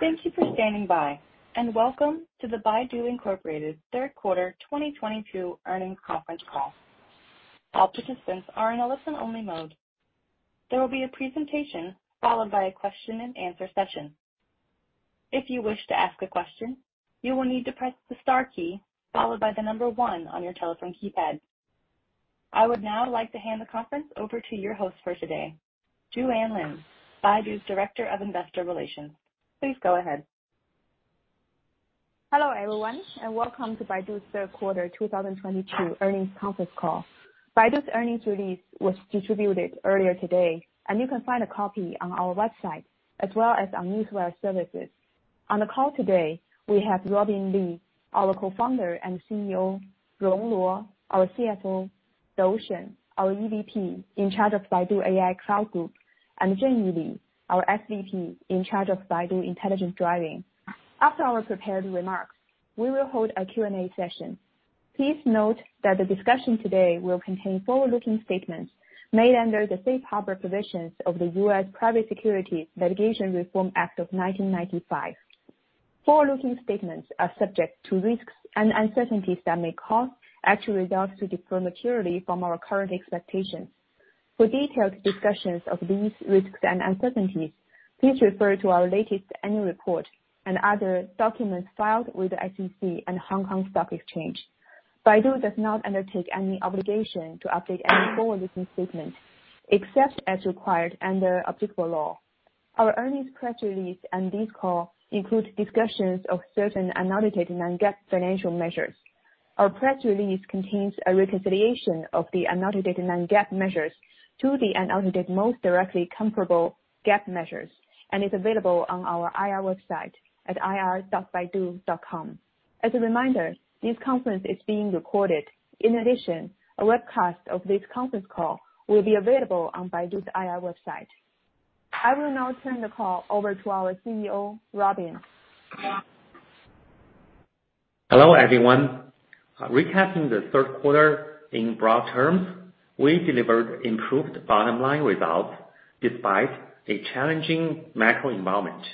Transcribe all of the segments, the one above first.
Thank you for standing by, and welcome to the Baidu, Inc. third quarter 2022 earnings conference call. All participants are in a listen only mode. There will be a presentation followed by a question and answer session. If you wish to ask a question, you will need to press the star key followed by the number 1 on your telephone keypad. I would now like to hand the conference over to your host for today, Juan Lin, Baidu's Director of Investor Relations. Please go ahead. Hello, everyone, and welcome to Baidu's third quarter 2022 earnings conference call. Baidu's earnings release was distributed earlier today, and you can find a copy on our website as well as on news wire services. On the call today we have Robin Li, our Co-founder and CEO, Rong Luo, our CFO, Dou Shen, our EVP in charge of Baidu AI Cloud Group, and Zhenyu Li, our SVP in charge of Baidu Intelligent Driving. After our prepared remarks, we will hold a Q&A session. Please note that the discussion today will contain forward-looking statements made under the Safe Harbor provisions of the U.S. Private Securities Litigation Reform Act of 1995. Forward-looking statements are subject to risks and uncertainties that may cause actual results to differ materially from our current expectations. For detailed discussions of these risks and uncertainties, please refer to our latest annual report and other documents filed with the SEC and Hong Kong Stock Exchange. Baidu does not undertake any obligation to update any forward-looking statements, except as required under applicable law. Our earnings press release and this call include discussions of certain annotated non-GAAP financial measures. Our press release contains a reconciliation of the annotated non-GAAP measures to the annotated most directly comparable GAAP measures and is available on our IR website at ir.baidu.com. As a reminder, this conference is being recorded. In addition, a webcast of this conference call will be available on Baidu's IR website. I will now turn the call over to our CEO, Robin. Hello, everyone. Recapping the third quarter in broad terms, we delivered improved bottom line results despite a challenging macro environment,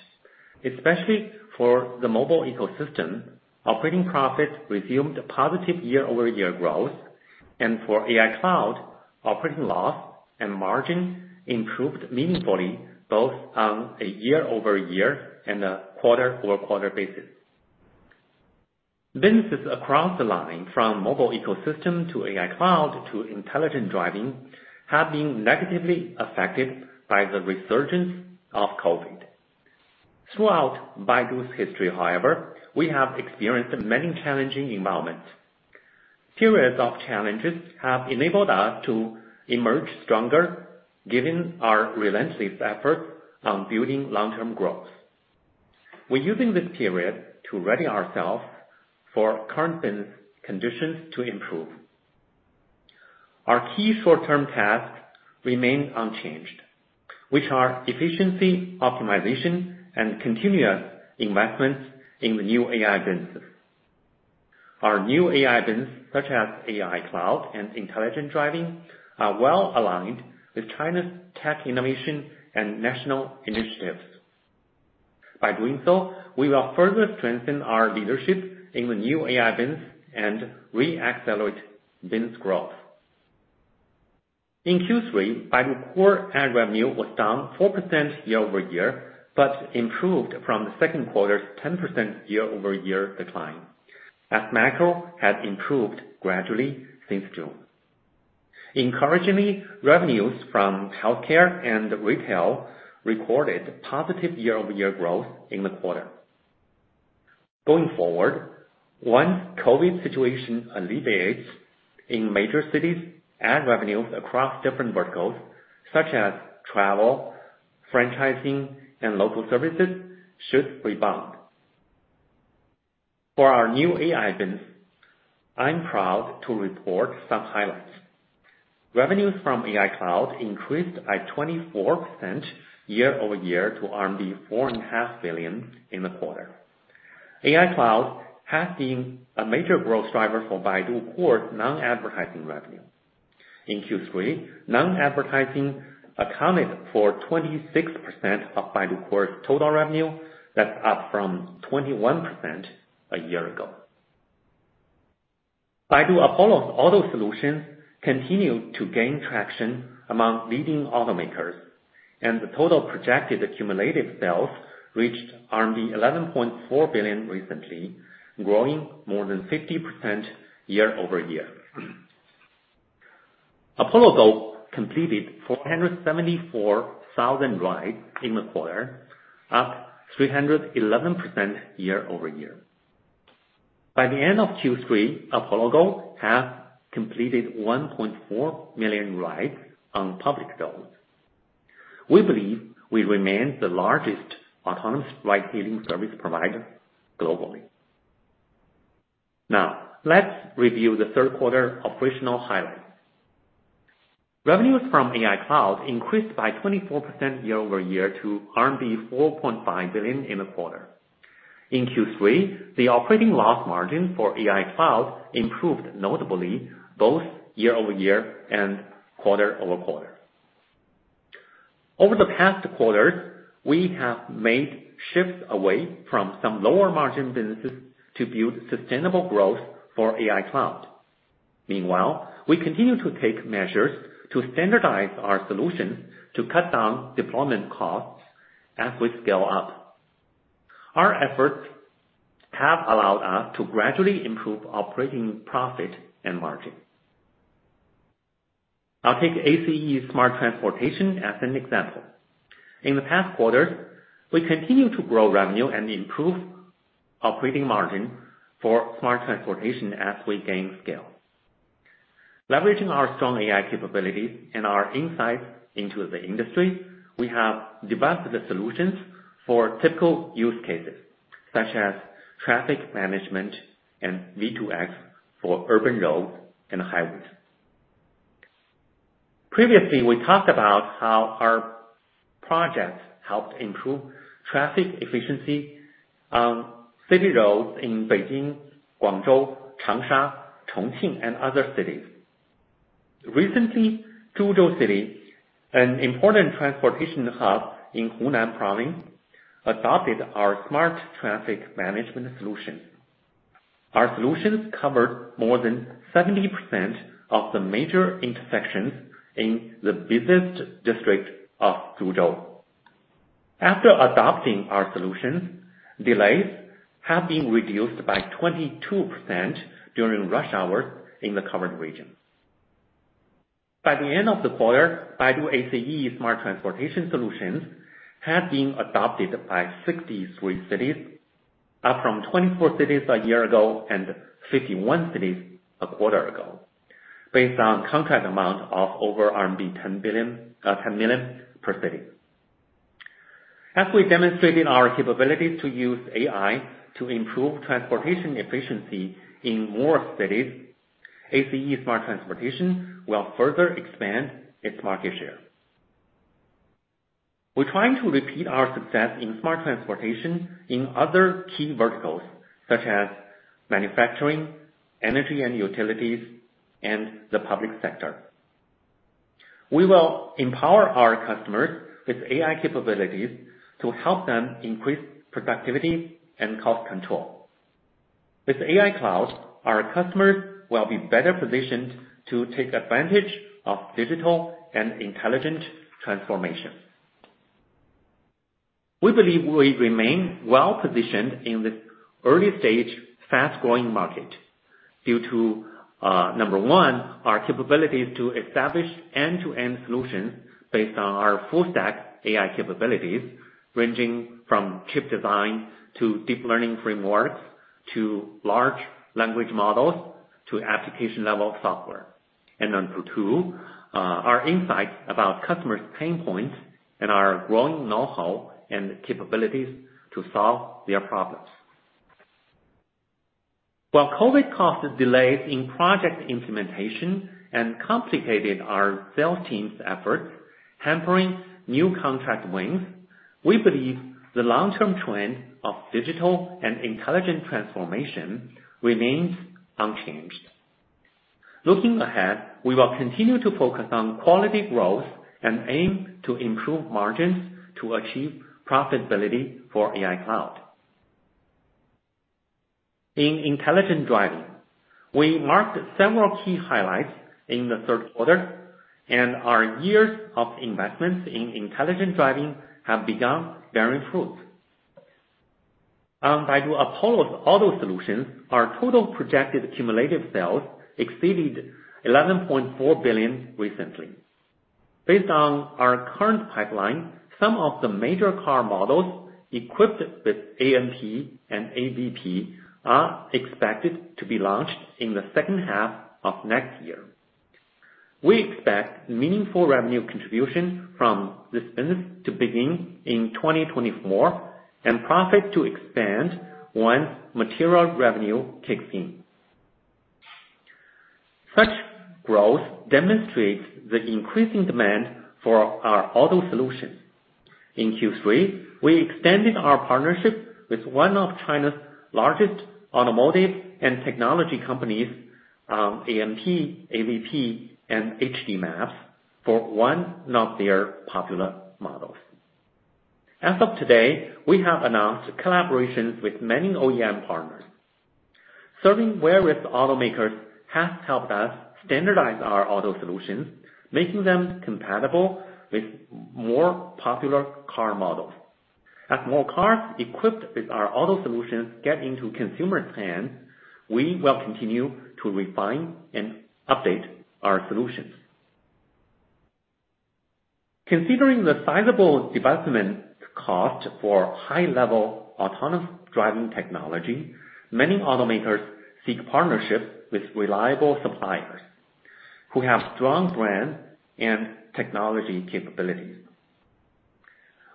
especially for the mobile ecosystem. Operating profit resumed positive year-over-year growth and for AI Cloud, operating loss and margin improved meaningfully both on a year-over-year and a quarter-over-quarter basis. Businesses across the line from mobile ecosystem to AI Cloud to Intelligent Driving have been negatively affected by the resurgence of COVID. Throughout Baidu's history, however, we have experienced many challenging environments. Periods of challenges have enabled us to emerge stronger, given our relentless efforts on building long-term growth. We're using this period to ready ourselves for current business conditions to improve. Our key short-term tasks remain unchanged, which are efficiency optimization and continuous investments in the new AI businesses. Our new AI businesses, such as AI Cloud and Intelligent Driving, are well aligned with China's tech innovation and national initiatives. By doing so, we will further strengthen our leadership in the new AI business and re-accelerate business growth. In Q3, Baidu Core ad revenue was down 4% year-over-year. Improved from the second quarter's 10% year-over-year decline as macro has improved gradually since June. Encouragingly, revenues from healthcare and retail recorded positive year-over-year growth in the quarter. Going forward, once COVID-19 situation alleviates in major cities, ad revenues across different verticals such as travel, franchising, and local services should rebound. For our new AI business, I'm proud to report some highlights. Revenues from AI Cloud increased by 24% year-over-year to four and a half billion in the quarter. AI Cloud has been a major growth driver for Baidu Core non-advertising revenue. In Q3, non-advertising accounted for 26% of Baidu Core total revenue. That's up from 21% a year ago. Baidu Apollo auto solutions continue to gain traction among leading automakers, the total projected cumulative sales reached RMB 11.4 billion recently, growing more than 50% year-over-year. Apollo Go completed 474,000 rides in the quarter, up 311% year-over-year. By the end of Q3, Apollo Go had completed 1.4 million rides on public roads. We believe we remain the largest autonomous ride-hailing service provider globally. Let's review the third quarter operational highlights. Revenues from AI Cloud increased by 24% year-over-year to RMB 4.5 billion in the quarter. In Q3, the operating loss margin for AI Cloud improved notably both year-over-year and quarter-over-quarter. Over the past quarters, we have made shifts away from some lower margin businesses to build sustainable growth for AI Cloud. Meanwhile, we continue to take measures to standardize our solutions to cut down deployment costs as we scale up. Our efforts have allowed us to gradually improve operating profit and margin. I'll take ACE Smart Transportation as an example. In the past quarters, we continue to grow revenue and improve operating margin for smart transportation as we gain scale. Leveraging our strong AI capabilities and our insights into the industry, we have devised the solutions for typical use cases such as traffic management and V2X for urban roads and highways. Previously, we talked about how our projects helped improve traffic efficiency, city roads in Beijing, Guangzhou, Changsha, Chongqing, and other cities. Recently, Zhuzhou City, an important transportation hub in Hunan Province, adopted our smart traffic management solution. Our solutions covered more than 70% of the major intersections in the busiest district of Zhuzhou. After adopting our solutions, delays have been reduced by 22% during rush hours in the covered regions. By the end of the quarter, Baidu ACE smart transportation solutions had been adopted by 63 cities, up from 24 cities a year ago and 51 cities a quarter ago, based on contract amount of over 10 million per city. As we demonstrated our capabilities to use AI to improve transportation efficiency in more cities, ACE smart transportation will further expand its market share. We're trying to repeat our success in smart transportation in other key verticals such as manufacturing, energy and utilities, and the public sector. We will empower our customers with AI capabilities to help them increase productivity and cost control. With AI Cloud, our customers will be better positioned to take advantage of digital and intelligent transformation. We believe we remain well-positioned in this early-stage, fast-growing market due to number one, our capabilities to establish end-to-end solutions based on our full-stack AI capabilities, ranging from chip design to deep learning frameworks to large language models to application-level software. Number two, our insights about customers' pain points and our growing know-how and capabilities to solve their problems. While COVID-19 caused delays in project implementation and complicated our sales team's efforts, hampering new contract wins, we believe the long-term trend of digital and intelligent transformation remains unchanged. Looking ahead, we will continue to focus on quality growth and aim to improve margins to achieve profitability for AI Cloud. In Intelligent Driving, we marked several key highlights in the third quarter, and our years of investments in Intelligent Driving have begun bearing fruit. Baidu Apollo auto solutions, our total projected cumulative sales exceeded 11.4 billion recently. Based on our current pipeline, some of the major car models equipped with ANP and AVP are expected to be launched in the second half of next year. We expect meaningful revenue contribution from this business to begin in 2024 and profit to expand once material revenue kicks in. Such growth demonstrates the increasing demand for our auto solutions. In Q3, we extended our partnership with one of China's largest automotive and technology companies, ANP, AVP, and HD Maps for one of their popular models. As of today, we have announced collaborations with many OEM partners. Serving various automakers has helped us standardize our auto solutions, making them compatible with more popular car models. As more cars equipped with our auto solutions get into consumers' hands, we will continue to refine and update our solutions. Considering the sizable divestment cost for high-level autonomous driving technology, many automakers seek partnerships with reliable suppliers who have strong brand and technology capabilities.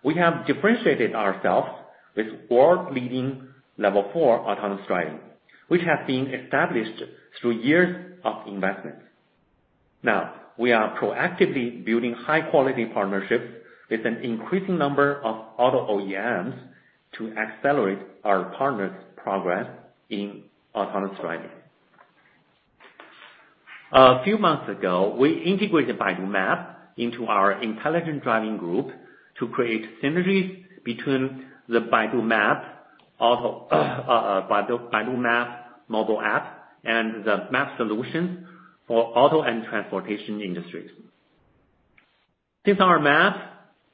We have differentiated ourselves with world-leading level four autonomous driving, which has been established through years of investments. Now, we are proactively building high-quality partnerships with an increasing number of auto OEMs to accelerate our partners' progress in autonomous driving. A few months ago, we integrated Baidu Maps into our Intelligent Driving Group to create synergies between the Baidu Maps, also, Baidu Maps mobile app, and the map solutions for auto and transportation industries. Since our maps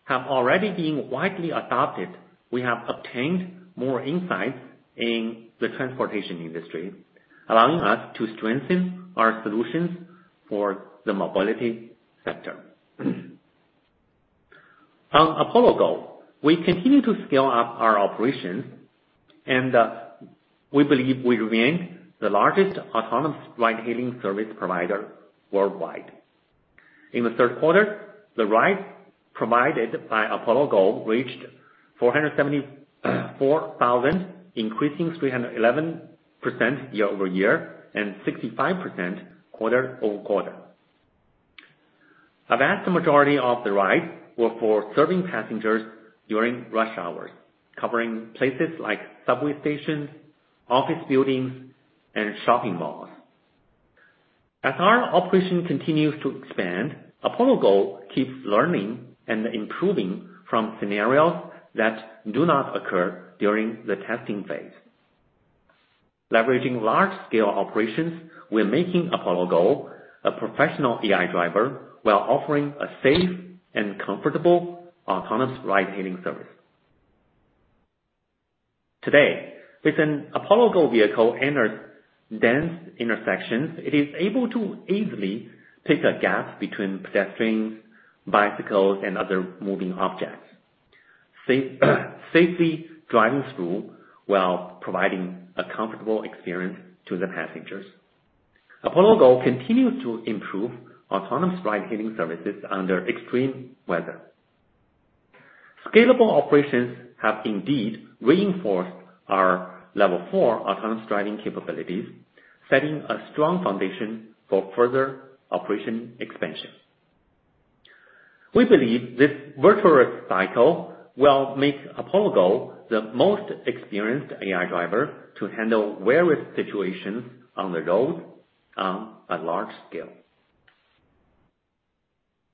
have already been widely adopted, we have obtained more insights in the transportation industry, allowing us to strengthen our solutions for the mobility sector. On Apollo Go, we continue to scale up our operations and we believe we remain the largest autonomous ride-hailing service provider worldwide. In the third quarter, the rides provided by Apollo Go reached 474,000, increasing 311% year-over-year and 65% quarter-over-quarter. A vast majority of the rides were for serving passengers during rush hours, covering places like subway stations, office buildings, and shopping malls. As our operation continues to expand, Apollo Go keeps learning and improving from scenarios that do not occur during the testing phase. Leveraging large scale operations, we're making Apollo Go a professional AI driver while offering a safe and comfortable autonomous ride-hailing service. Today, with an Apollo Go vehicle in a dense intersection, it is able to easily pick a gap between pedestrians, bicycles, and other moving objects, safely driving through while providing a comfortable experience to the passengers. Apollo Go continues to improve autonomous ride-hailing services under extreme weather. Scalable operations have indeed reinforced our level four autonomous driving capabilities, setting a strong foundation for further operation expansion. We believe this virtuous cycle will make Apollo Go the most experienced AI driver to handle various situations on the road at large scale.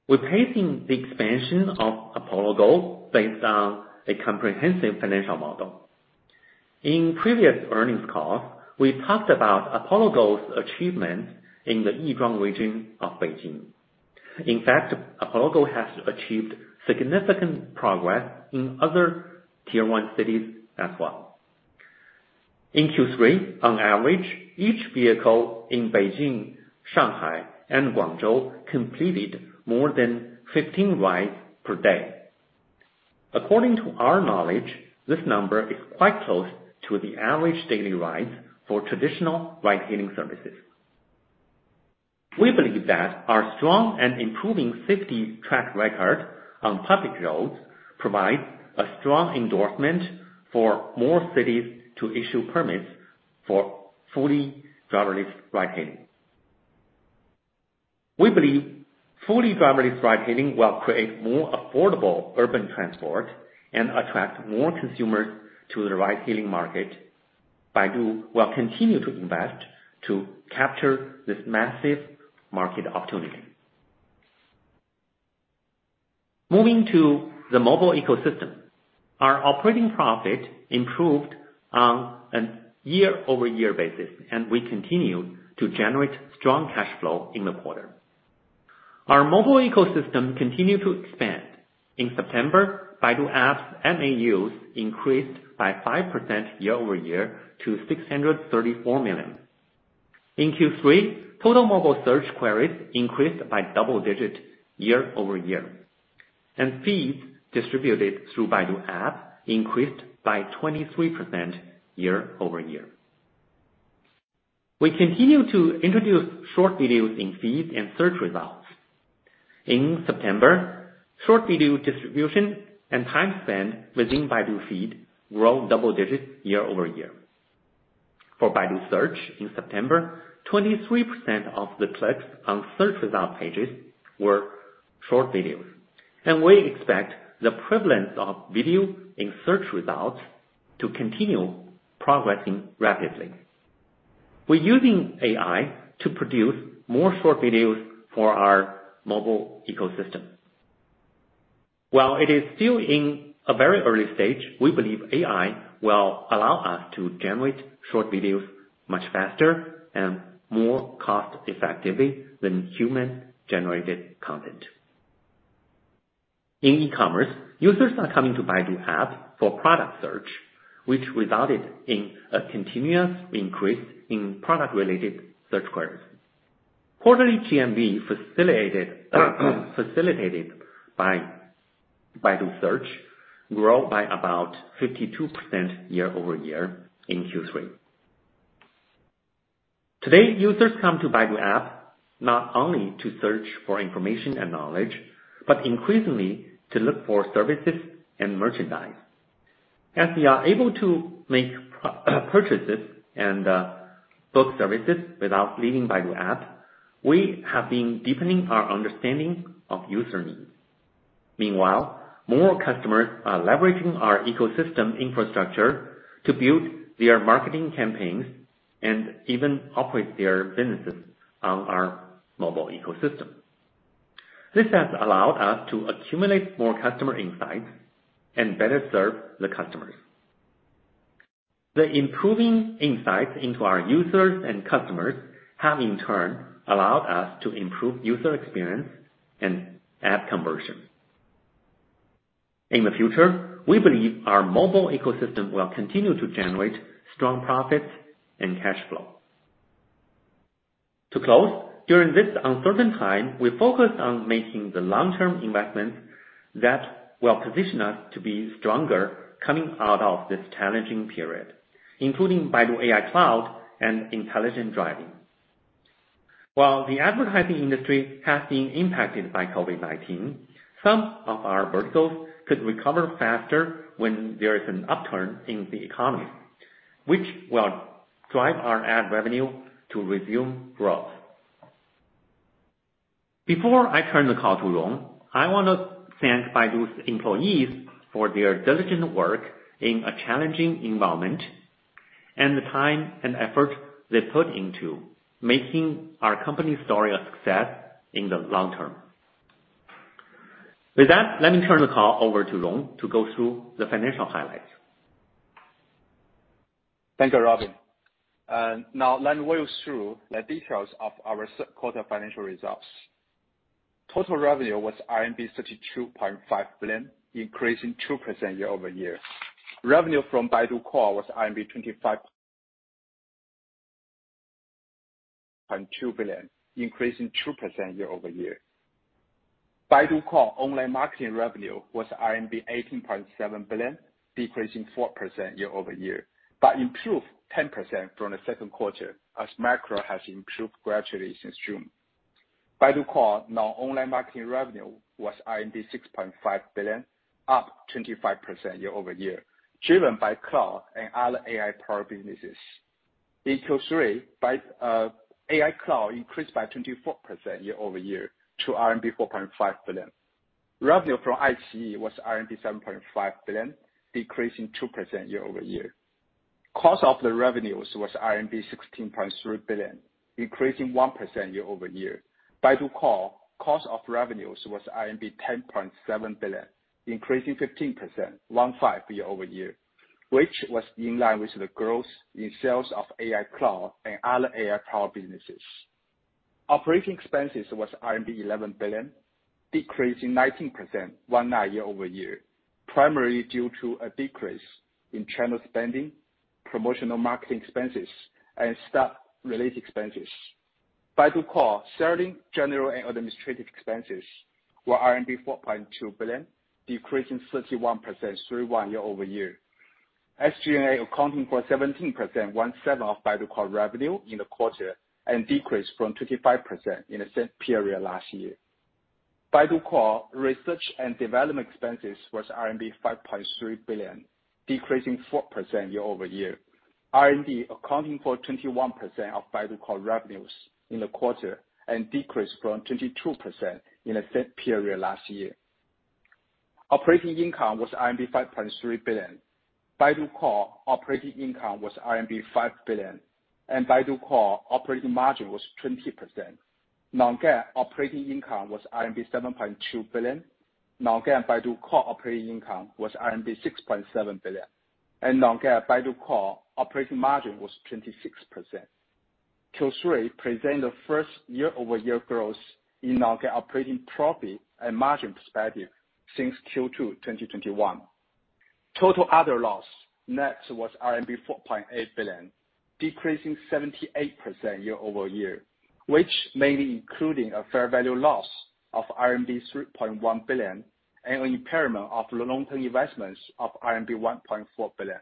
We're pacing the expansion of Apollo Go based on a comprehensive financial model. In previous earnings calls, we talked about Apollo Go's achievements in the Yizhuang region of Beijing. In fact, Apollo Go has achieved significant progress in other tier one cities as well. In Q3, on average, each vehicle in Beijing, Shanghai, and Guangzhou completed more than 15 rides per day. According to our knowledge, this number is quite close to the average daily rides for traditional ride-hailing services. We believe that our strong and improving safety track record on public roads provides a strong endorsement for more cities to issue permits for fully driverless ride-hailing. We believe fully driverless ride-hailing will create more affordable urban transport and attract more consumers to the ride-hailing market. Baidu will continue to invest to capture this massive market opportunity. Moving to the mobile ecosystem. Our operating profit improved on a year-over-year basis, and we continue to generate strong cash flow in the quarter. Our mobile ecosystem continued to expand. In September, Baidu Apps MAUs increased by 5% year-over-year to 634 million. In Q3, total mobile search queries increased by double-digit year-over-year, and feeds distributed through Baidu App increased by 23% year-over-year. We continue to introduce short videos in feeds and search results. In September, short video distribution and time spent within Baidu Feed grew double digits year-over-year. For Baidu Search in September, 23% of the clicks on search result pages were short videos, and we expect the prevalence of video in search results to continue progressing rapidly. We're using AI to produce more short videos for our mobile ecosystem. While it is still in a very early stage, we believe AI will allow us to generate short videos much faster and more cost effectively than human-generated content. In e-commerce, users are coming to Baidu App for product search, which resulted in a continuous increase in product-related search queries. Quarterly GMV facilitated by Baidu Search grew by about 52% year-over-year in Q3. Today, users come to Baidu App not only to search for information and knowledge, but increasingly to look for services and merchandise. As we are able to make purchases and book services without leaving Baidu App, we have been deepening our understanding of user needs. Meanwhile, more customers are leveraging our ecosystem infrastructure to build their marketing campaigns and even operate their businesses on our mobile ecosystem. This has allowed us to accumulate more customer insights and better serve the customers. The improving insights into our users and customers have in turn allowed us to improve user experience and App conversion. In the future, we believe our mobile ecosystem will continue to generate strong profits and cash flow. To close, during this uncertain time, we focused on making the long-term investments that will position us to be stronger coming out of this challenging period, including Baidu AI Cloud and intelligent driving. While the advertising industry has been impacted by COVID-19, some of our verticals could recover faster when there is an upturn in the economy, which will drive our ad revenue to resume growth. Before I turn the call to Rong, I wanna thank Baidu's employees for their diligent work in a challenging environment, and the time and effort they put into making our company story a success in the long term. With that, let me turn the call over to Rong to go through the financial highlights. Thank you, Robin. now let me walk you through the details of our third quarter financial results. Total revenue was RMB 32.5 billion, increasing 2% year-over-year. Revenue from Baidu Core was RMB 25.2 billion, increasing 2% year-over-year. Baidu Core online marketing revenue was RMB 18.7 billion, decreasing 4% year-over-year, but improved 10% from the second quarter as macro has improved gradually since June. Baidu Core now online marketing revenue was 6.5 billion, up 25% year-over-year, driven by Cloud and other AI product businesses. In Q3, AI Cloud increased by 24% year-over-year to RMB 4.5 billion. Revenue from iQIYI was RMB 7.5 billion, decreasing 2% year-over-year. Cost of the revenues was RMB 16.3 billion, increasing 1% year-over-year. Baidu Core cost of revenues was RMB 10.7 billion, increasing 15%, one five, year-over-year, which was in line with the growth in sales of AI Cloud and other AI Cloud businesses. Operating expenses was RMB 11 billion, decreasing 19%, one nine, year-over-year, primarily due to a decrease in channel spending, promotional marketing expenses, and staff related expenses. Baidu Core selling, general, and administrative expenses were RMB 4.2 billion, decreasing 31%, three one, year-over-year. SG&A accounting for 17%, one seven, of Baidu Core revenue in the quarter and decreased from 25% in the same period last year. Baidu Core research and development expenses was RMB 5.3 billion, decreasing 4% year-over-year. R&D accounting for 21% of Baidu Core revenues in the quarter and decreased from 22% in the same period last year. Operating income was RMB 5.3 billion. Baidu Core operating income was RMB 5 billion. Baidu Core operating margin was 20%. Non-GAAP operating income was RMB 7.2 billion. Non-GAAP Baidu Core operating income was RMB 6.7 billion. Non-GAAP Baidu Core operating margin was 26%. Q3 present the first year-over-year growth in non-GAAP operating profit and margin perspective since Q2 2021. Total other loss, net was RMB 4.8 billion, decreasing 78% year-over-year, which mainly including a fair value loss of RMB 3.1 billion and impairment of long-term investments of RMB 1.4 billion.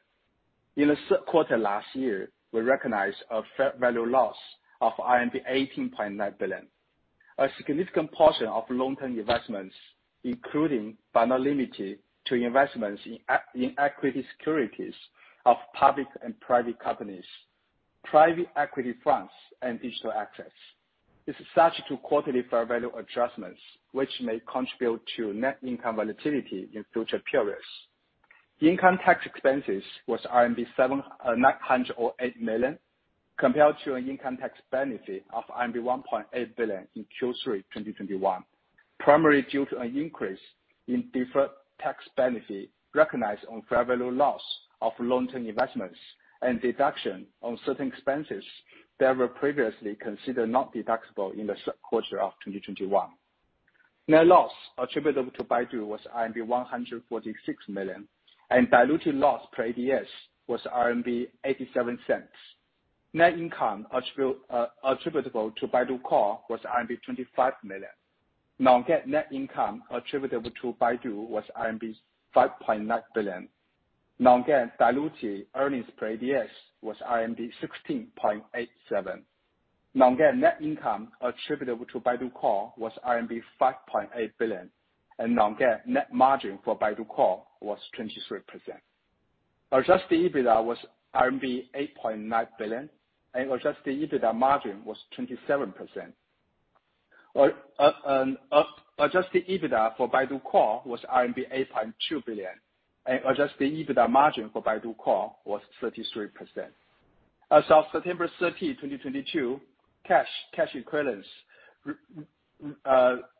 In the third quarter last year, we recognized a fair value loss of RMB 18.9 billion. A significant portion of long-term investments, including but not limited to investments in equity securities of public and private companies, private equity funds and digital access. It's subject to quarterly fair value adjustments, which may contribute to net income volatility in future periods. Income tax expenses was RMB 908 million compared to an income tax benefit of RMB 1.8 billion in Q3 2021, primarily due to an increase in deferred tax benefit recognized on fair value loss of long-term investments and deduction on certain expenses that were previously considered not deductible in the third quarter of 2021. Net loss attributable to Baidu was RMB 146 million, and diluted loss per ADS was 0.87. Net income attributable to Baidu Core was RMB 25 million. Non-GAAP net income attributable to Baidu was RMB 5.9 billion. Non-GAAP diluted earnings per ADS was RMB 16.87. Non-GAAP net income attributable to Baidu Core was RMB 5.8 billion, and non-GAAP net margin for Baidu Core was 23%. Adjusted EBITDA was RMB 8.9 billion, and adjusted EBITDA margin was 27%. Adjusted EBITDA for Baidu Core was RMB 8.2 billion, and adjusted EBITDA margin for Baidu Core was 33%. As of September 30, 2022, cash equivalents,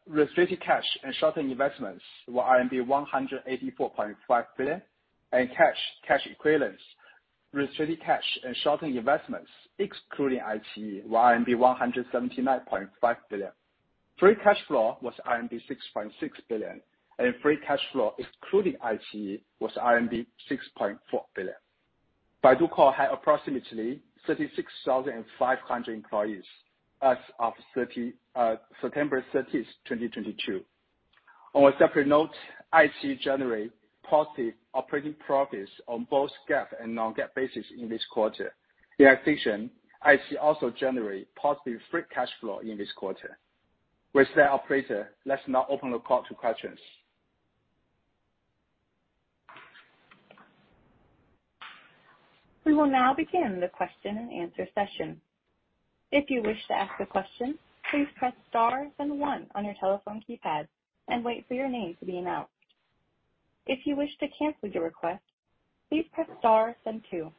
restricted cash and short-term investments were RMB 184.5 billion, and cash equivalents, restricted cash and short-term investments, excluding iQIYI, were RMB 179.5 billion. Free cash flow was RMB 6.6 billion, and free cash flow excluding iQIYI was RMB 6.4 billion. Baidu Core had approximately 36,500 employees as of September 30, 2022. On a separate note, iQIYI generate positive operating profits on both GAAP and non-GAAP basis in this quarter. In addition, iQIYI also generate positive free cash flow in this quarter. With that, operator, let's now open the call to questions. We will now begin the question and answer session. If you wish to ask a question, please press star then one on your telephone keypad and wait for your name to be announced. If you wish to cancel your request, please press star then two.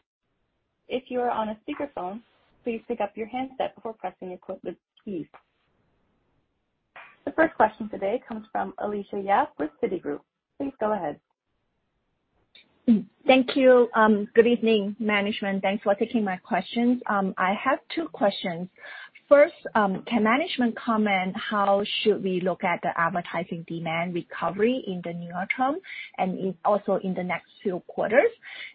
If you are on a speakerphone, please pick up your handset before pressing equipment keys. The first question today comes from Alicia Yap with Citigroup. Please go ahead. Thank you. Good evening, management. Thanks for taking my questions. I have two questions. First, can management comment how should we look at the advertising demand recovery in the near term and in also in the next few quarters?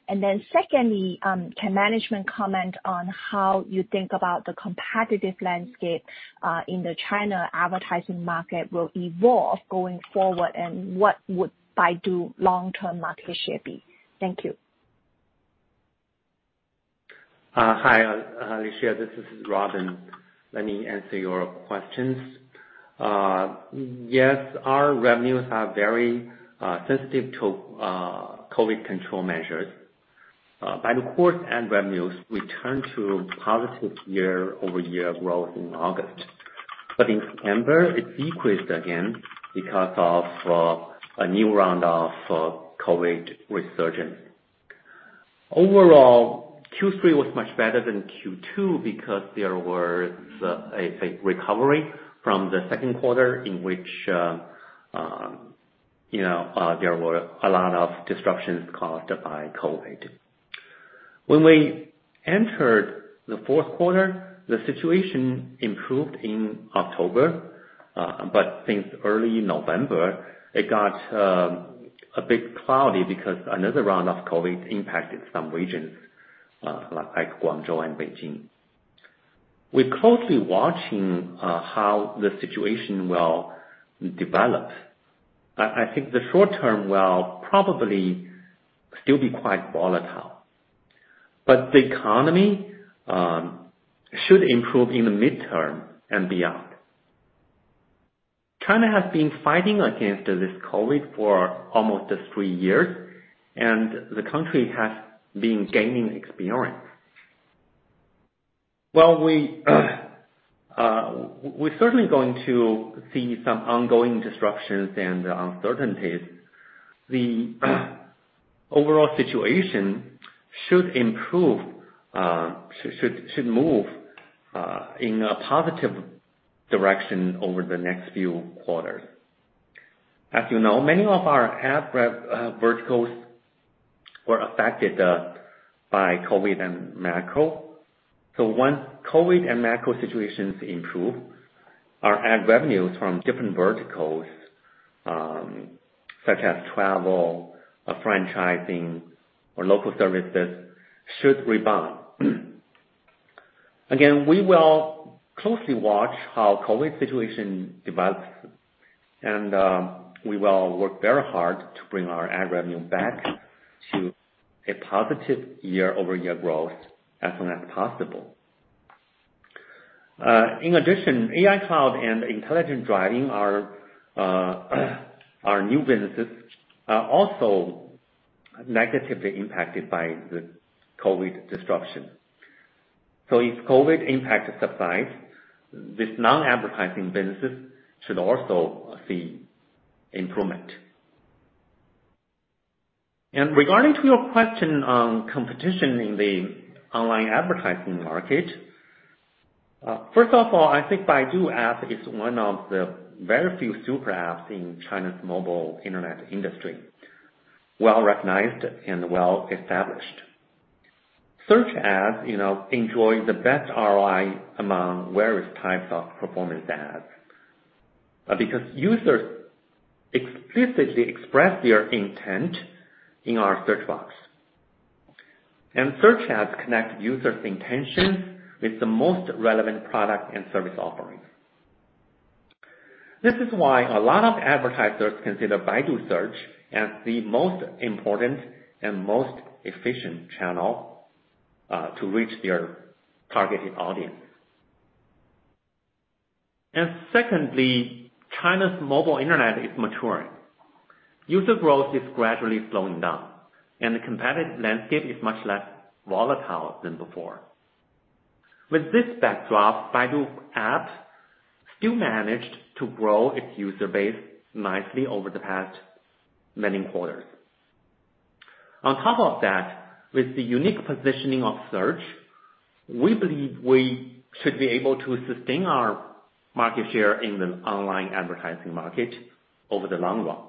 Secondly, can management comment on how you think about the competitive landscape in the China advertising market will evolve going forward and what would Baidu long-term market share be? Thank you. Hi, Alicia, this is Robin. Let me answer your questions. Yes, our revenues are very sensitive to COVID control measures. By the quarter end, revenues returned to positive year-over-year growth in August. In September, it decreased again because of a new round of COVID resurgence. Overall, Q3 was much better than Q2 because there was a recovery from the second quarter in which, you know, there were a lot of disruptions caused by COVID. When we entered the fourth quarter, the situation improved in October, but since early November it got a bit cloudy because another round of COVID impacted some regions, like Guangzhou and Beijing. We're closely watching how the situation will develop. I think the short-term will probably still be quite volatile, but the economy should improve in the midterm and beyond. China has been fighting against this COVID for almost three years, and the country has been gaining experience. While we're certainly going to see some ongoing disruptions and uncertainties, the overall situation should move in a positive direction over the next few quarters. As you know, many of our ad verticals were affected by COVID and macro. Once COVID and macro situations improve, our ad revenues from different verticals, such as travel, or franchising, or local services should rebound. Again, we will closely watch how COVID situation develops, and we will work very hard to bring our ad revenue back to a positive year-over-year growth as soon as possible. In addition, AI Cloud and intelligent driving are new businesses, also negatively impacted by the COVID disruption. If COVID impact subsides, these non-advertising businesses should also see improvement. Regarding to your question on competition in the online advertising market, first of all, I think Baidu App is one of the very few super apps in China's mobile internet industry, well-recognized and well-established. Search ads, you know, enjoy the best ROI among various types of performance ads, because users explicitly express their intent in our search box. Search ads connect users' intention with the most relevant product and service offerings. This is why a lot of advertisers consider Baidu Search as the most important and most efficient channel to reach their targeted audience. Secondly, China's mobile internet is maturing. User growth is gradually slowing down, and the competitive landscape is much less volatile than before. With this backdrop, Baidu App still managed to grow its user base nicely over the past many quarters. On top of that, with the unique positioning of Search, we believe we should be able to sustain our market share in the online advertising market over the long run.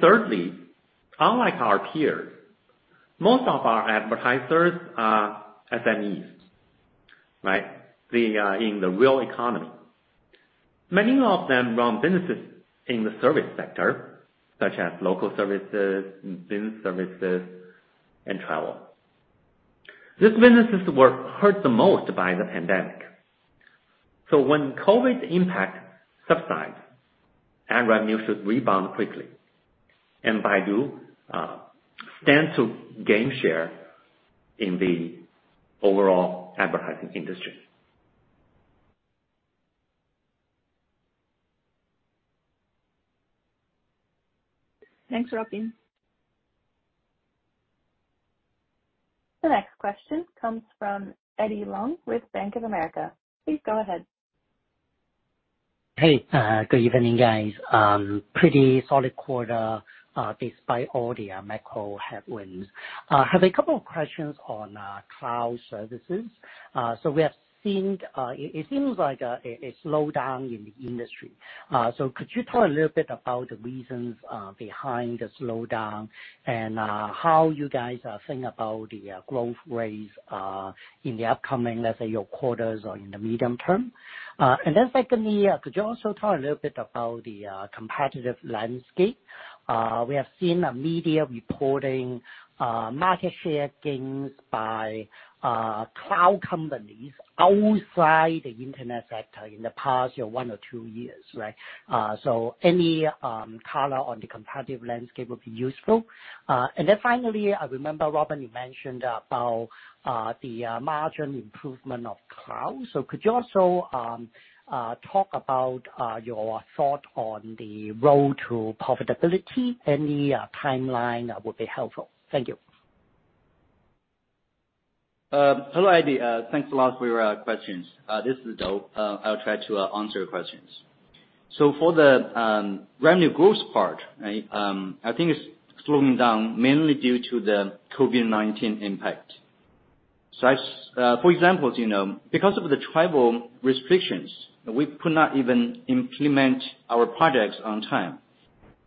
Thirdly, unlike our peers, most of our advertisers are SMEs, right? They are in the real economy. Many of them run businesses in the service sector, such as local services, business services, and travel. These businesses were hurt the most by the pandemic. When COVID impact subside, ad revenues should rebound quickly, and Baidu stands to gain share in the overall advertising industry. Thanks, Robin. The next question comes from Eddie Leung with Bank of America. Please go ahead. Hey, good evening, guys. Pretty solid quarter, despite all the macro headwinds. Have a couple of questions on cloud services. We have seen, it seems like a slowdown in the industry. Could you talk a little bit about the reasons behind the slowdown and how you guys are think about the growth rates in the upcoming, let's say, your quarters or in the medium term? Secondly, could you also talk a little bit about the competitive landscape? We have seen a media reporting market share gains by cloud companies outside the internet sector in the past, one or two years, right? Any color on the competitive landscape would be useful. Finally, I remember, Robin, you mentioned about the margin improvement of AI Cloud. Could you also talk about your thought on the road to profitability? Any timeline would be helpful. Thank you. Hello, Eddie. Thanks a lot for your questions. This is Dou. I'll try to answer your questions. For the revenue growth part, right, I think it's slowing down mainly due to the COVID-19 impact. For example, as you know, because of the travel restrictions, we could not even implement our projects on time,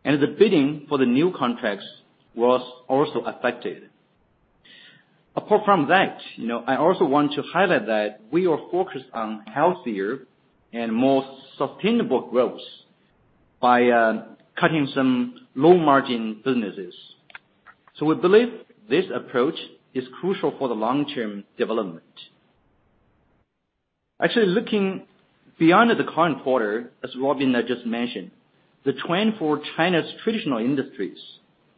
and the bidding for the new contracts was also affected. Apart from that, you know, I also want to highlight that we are focused on healthier and more sustainable growth by cutting some low-margin businesses. We believe this approach is crucial for the long-term development. Actually, looking beyond the current quarter, as Robin just mentioned, the trend for China's traditional industries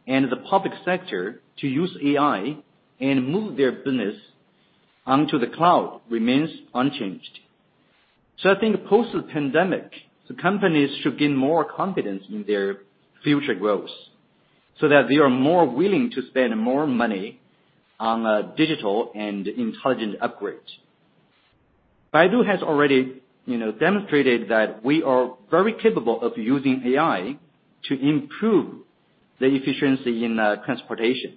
and the public sector to use AI and move their business onto the cloud remains unchanged. I think post the pandemic, the companies should gain more confidence in their future growth so that they are more willing to spend more money on a digital and intelligent upgrade. Baidu has already, you know, demonstrated that we are very capable of using AI to improve the efficiency in transportation.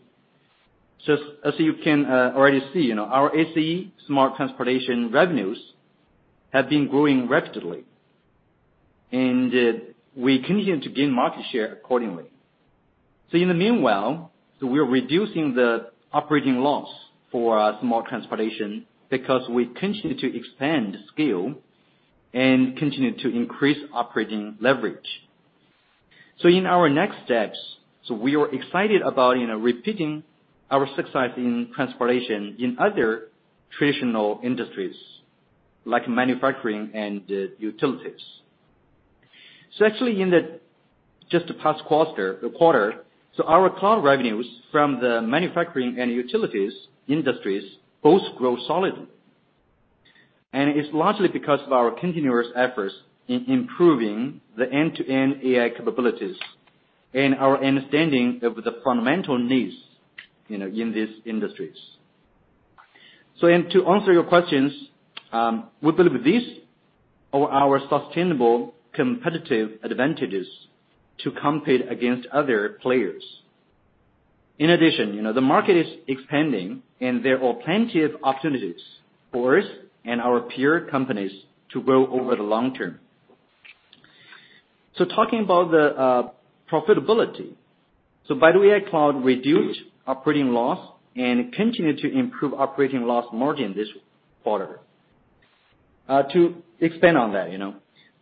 As you can already see, you know, our ACE smart transportation revenues have been growing rapidly, and we continue to gain market share accordingly. In the meanwhile, we are reducing the operating loss for our smart transportation because we continue to expand scale and continue to increase operating leverage. In our next steps, we are excited about, you know, repeating our success in transportation in other traditional industries like manufacturing and utilities. Actually in the just the past quarter, our cloud revenues from the manufacturing and utilities industries both grow solidly. It's largely because of our continuous efforts in improving the end-to-end AI capabilities and our understanding of the fundamental needs, you know, in these industries. To answer your questions, we believe these are our sustainable competitive advantages to compete against other players. In addition, you know, the market is expanding, and there are plenty of opportunities for us and our peer companies to grow over the long term. Talking about the profitability, Baidu AI Cloud reduced operating loss and continued to improve operating loss margin this quarter. To expand on that, you know,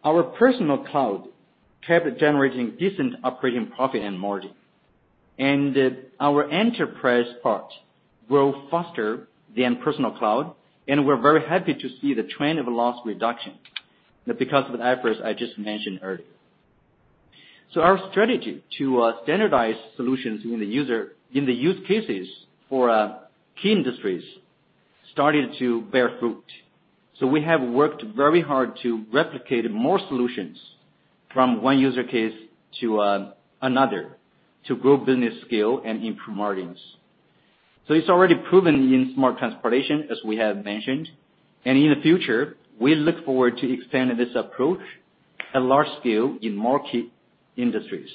our personal cloud kept generating decent operating profit and margin. Our enterprise part grow faster than personal cloud, and we're very happy to see the trend of loss reduction because of the efforts I just mentioned earlier. Our strategy to standardize solutions in the use cases for key industries started to bear fruit. We have worked very hard to replicate more solutions from one user case to another to grow business scale and improve margins. It's already proven in smart transportation, as we have mentioned, and in the future, we look forward to expanding this approach at large scale in more key industries.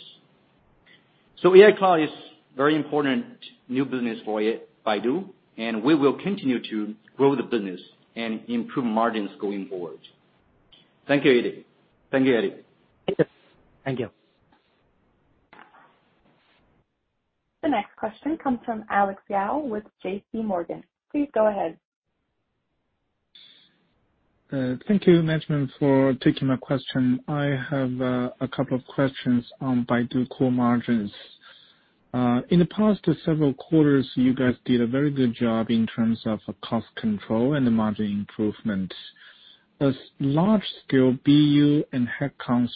AI Cloud is very important new business for Baidu, and we will continue to grow the business and improve margins going forward. Thank you, Eddie. Thank you, Eddie. Thank you. The next question comes from Alex Yao with JPMorgan. Please go ahead. Thank you, Management, for taking my question. I have a couple of questions on Baidu Core margins. In the past several quarters, you guys did a very good job in terms of cost control and margin improvement. As large scale BU and headcount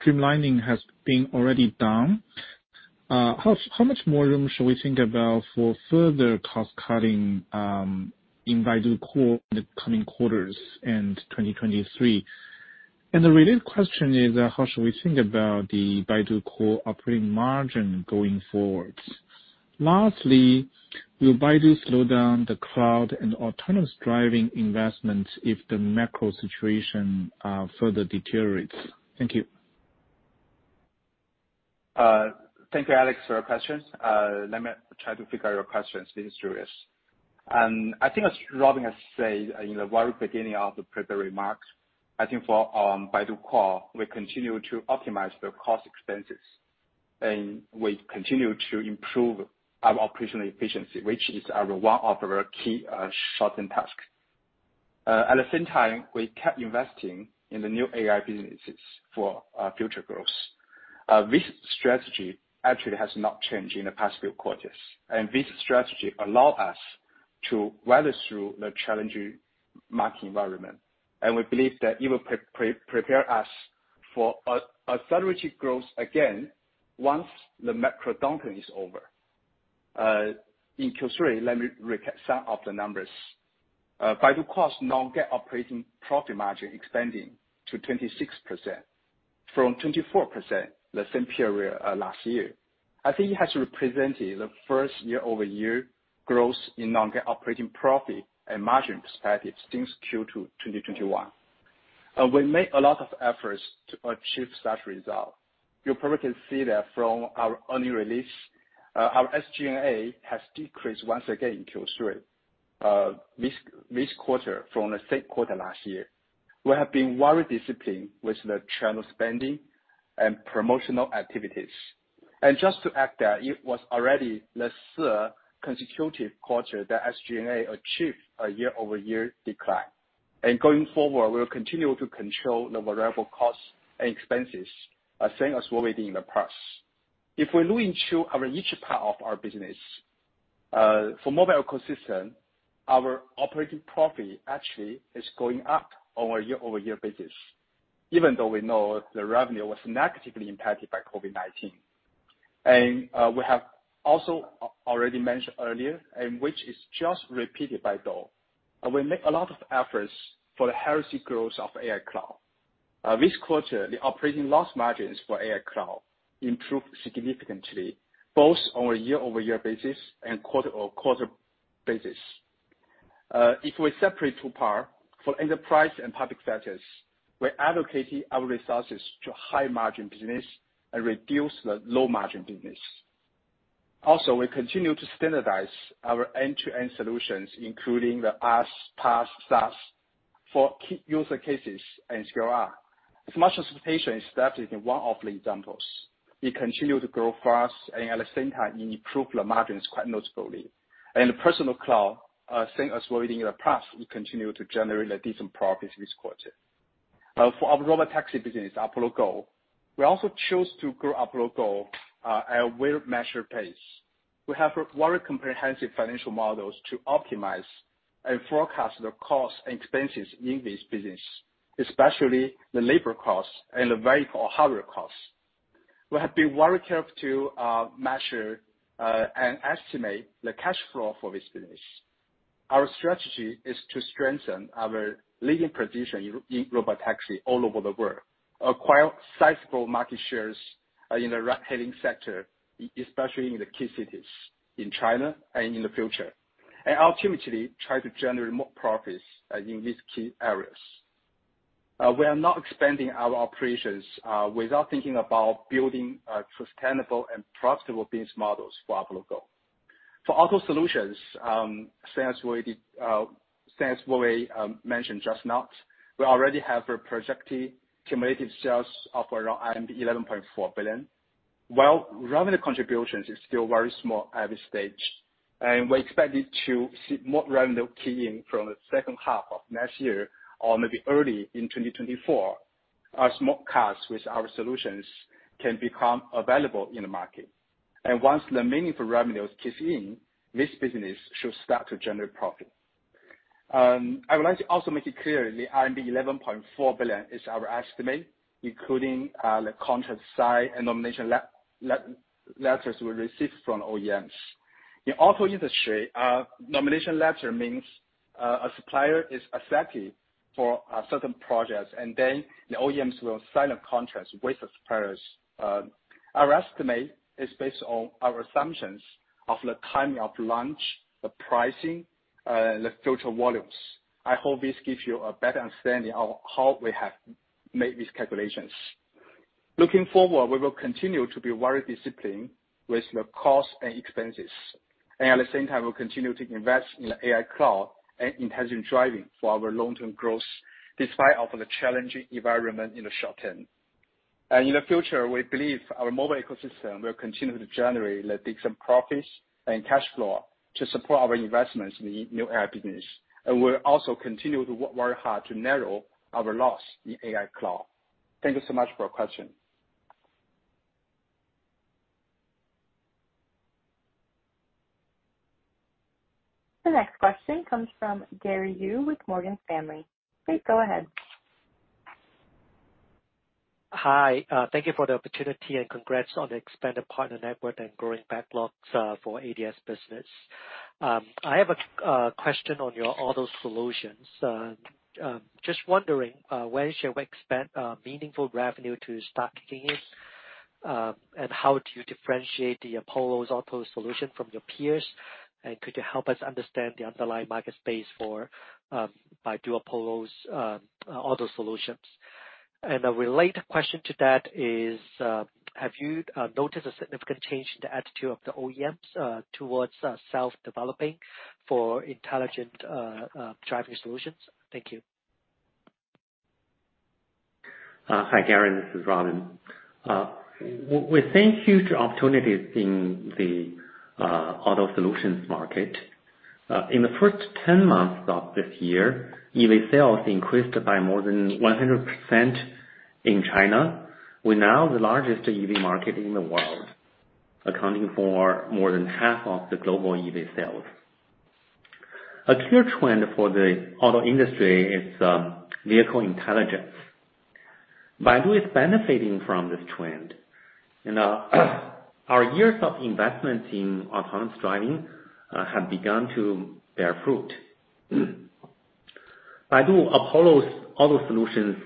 streamlining has been already done, how much more room should we think about for further cost cutting in Baidu Core in the coming quarters and 2023? The related question is, how should we think about the Baidu Core operating margin going forward? Lastly, will Baidu slow down the cloud and autonomous driving investments if the macro situation further deteriorates? Thank you. Thank you, Alex, for your questions. Let me try to figure your questions. This is Rong Luo. I think as Robin has said in the very beginning of the prepared remarks, I think for Baidu Core, we continue to optimize the cost expenses, and we continue to improve our operational efficiency, which is our one of our key short-term task. At the same time, we kept investing in the new AI businesses for future growth. This strategy actually has not changed in the past few quarters. This strategy allow us to weather through the challenging market environment. We believe that it will prepare us for a steady growth again once the macro downturn is over. In Q3, let me recap some of the numbers. Baidu Core's non-GAAP operating profit margin expanding to 26% from 24% the same period, last year. I think it has represented the first year-over-year growth in non-GAAP operating profit and margin perspective since Q2 2021. We made a lot of efforts to achieve such result. You probably can see that from our earning release, our SG&A has decreased once again in Q3, this quarter from the same quarter last year. We have been very disciplined with the travel spending and promotional activities. Just to add that it was already the third consecutive quarter that SG&A achieved a year-over-year decline. Going forward, we'll continue to control the variable costs and expenses same as what we did in the past. We look into our each part of our business, for mobile ecosystem, our operating profit actually is going up on a year-over-year basis, even though we know the revenue was negatively impacted by COVID-19. We have also already mentioned earlier, and which is just repeated by Dou, we make a lot of efforts for the healthy growth of AI Cloud. This quarter the operating loss margins for AI Cloud improved significantly, both on a year-over-year basis and quarter-over-quarter basis. We separate two part for enterprise and public sectors, we're allocating our resources to high-margin business and reduce the low-margin business. We continue to standardize our end-to-end solutions, including the IaaS, PaaS, SaaS for key user cases and scale up. Smart transportation is definitely one of the examples. It continue to grow fast and at the same time, it improved the margins quite noticeably. Personal cloud, same as what we did in the past, we continue to generate a decent profits this quarter. For our robotaxi business, Apollo Go, we also chose to grow Apollo Go at a well-measured pace. We have very comprehensive financial models to optimize and forecast the costs and expenses in this business, especially the labor costs and the vehicle hardware costs. We have been very careful to measure and estimate the cash flow for this business. Our strategy is to strengthen our leading position in robotaxi all over the world, acquire sizable market shares in the ride-hailing sector, especially in the key cities in China and in the future, and ultimately try to generate more profits in these key areas. We are not expanding our operations without thinking about building sustainable and profitable business models for Apollo Go. For Auto Solutions, same as what we mentioned just now, we already have a projected cumulative sales of around 11.4 billion. While revenue contributions is still very small at this stage. We expect it to see more revenue key in from the second half of next year or maybe early in 2024 as more cars with our solutions can become available in the market. Once the meaningful revenue kicks in, this business should start to generate profit. I would like to also make it clear the RMB 11.4 billion is our estimate, including the contract size and nomination letters we received from OEMs. In auto industry, nomination letter means a supplier is accepted for certain projects, and then the OEMs will sign a contract with the suppliers. Our estimate is based on our assumptions of the timing of launch, the pricing, the total volumes. I hope this gives you a better understanding of how we have made these calculations. Looking forward, we will continue to be very disciplined with the costs and expenses. At the same time, we'll continue to invest in AI Cloud and Intelligent Driving for our long-term growth despite of the challenging environment in the short term. In the future, we believe our mobile ecosystem will continue to generate the decent profits and cash flow to support our investments in the new AI business. We'll also continue to work very hard to narrow our loss in AI Cloud. Thank you so much for your question. The next question comes from Gary Yu with Morgan Stanley. Please go ahead. Hi, thank you for the opportunity and congrats on the expanded partner network and growing backlogs for ADS business. I have a question on your auto solutions. Just wondering, when should we expect meaningful revenue to start kicking in? How do you differentiate the Apollo's auto solution from your peers? Could you help us understand the underlying market space for Baidu Apollo's auto solutions? A related question to that is, have you noticed a significant change in the attitude of the OEMs towards self-developing for intelligent driving solutions? Thank you. Hi, Gary, this is Robin. We're seeing huge opportunities in the auto solutions market. In the first 10 months of this year, EV sales increased by more than 100% in China. We're now the largest EV market in the world, accounting for more than half of the global EV sales. A clear trend for the auto industry is vehicle intelligence. Baidu is benefiting from this trend. You know, our years of investments in autonomous driving have begun to bear fruit. Baidu Apollo's auto solutions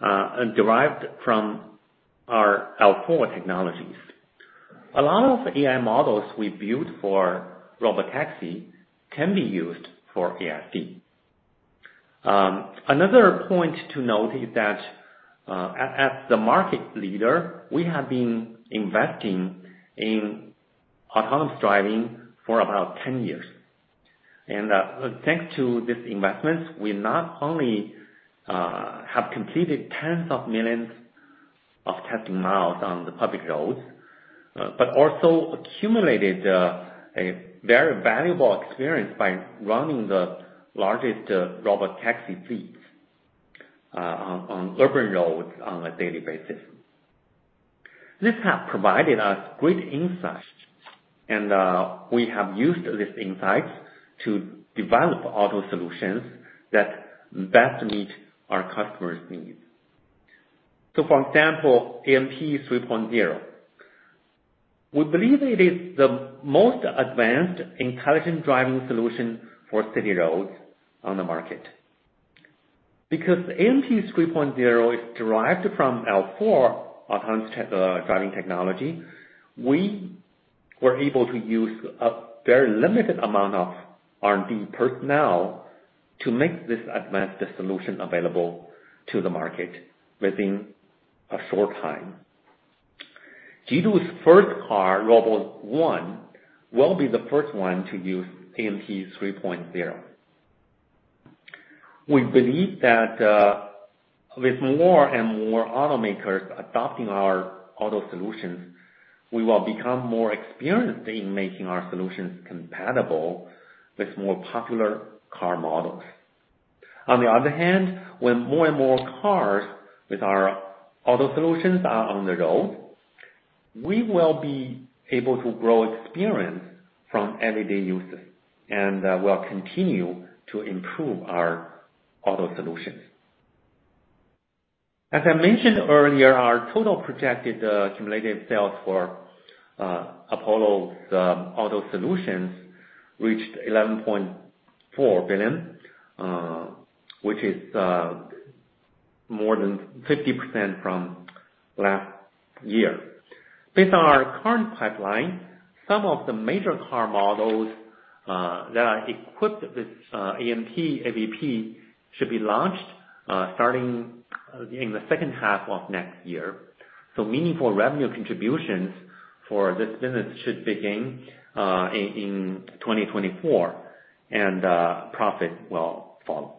are derived from our L4 technologies. A lot of AI models we built for robotaxi can be used for ASD. Another point to note is that as the market leader, we have been investing in autonomous driving for about 10 years. Thanks to these investments, we not only have completed tens of millions of testing miles on the public roads, but also accumulated a very valuable experience by running the largest robotaxi fleet on urban roads on a daily basis. This has provided us great insights, and we have used these insights to develop auto solutions that best meet our customers' needs. For example, ANP 3.0. We believe it is the most advanced intelligent driving solution for city roads on the market. Because ANP 3.0 is derived from L4 autonomous tech driving technology, we were able to use a very limited amount of R&D personnel to make this advanced solution available to the market within a short time. Baidu first car, ROBO-01, will be the first one to use ANP 3.0. We believe that with more and more automakers adopting our auto solutions, we will become more experienced in making our solutions compatible with more popular car models. On the other hand, when more and more cars with our auto solutions are on the road, we will be able to grow experience from everyday users, and we'll continue to improve our auto solutions. As I mentioned earlier, our total projected cumulative sales for Apollo's auto solutions reached 11.4 billion, which is more than 50% from last year. Based on our current pipeline, some of the major car models that are equipped with ANP AVP should be launched starting in the second half of next year. Meaningful revenue contributions for this business should begin in 2024, profit will follow.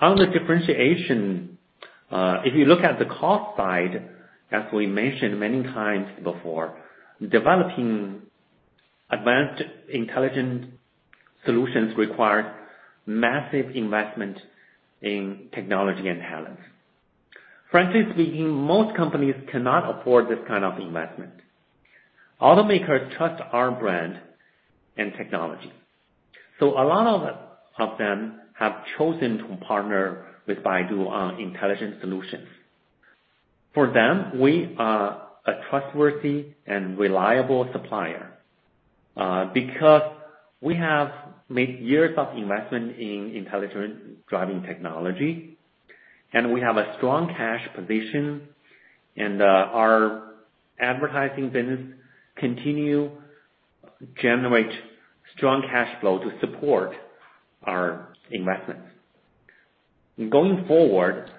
On the differentiation, if you look at the cost side, as we mentioned many times before, developing advanced intelligent solutions require massive investment in technology and talents. Frankly speaking, most companies cannot afford this kind of investment. Automakers trust our brand and technology, a lot of them have chosen to partner with Baidu on intelligent solutions. For them, we are a trustworthy and reliable supplier, because we have made years of investment in intelligent driving technology, and we have a strong cash position. Our advertising business continue generate strong cash flow to support our investments. Going forward,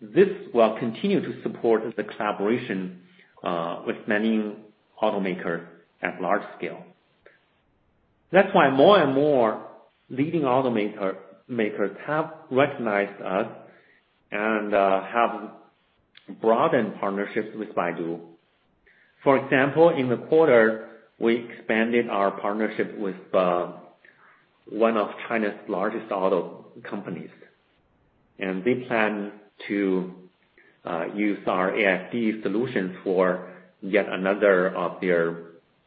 this will continue to support the collaboration with many automaker at large scale. That's why more and more leading automaker- makers have recognized us and have broadened partnerships with Baidu. For example, in the quarter, we expanded our partnership with one of China's largest auto companies, and they plan to use our ASD solutions for yet another of their